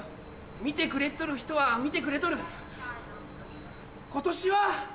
見てくれとる人は見てくれとる。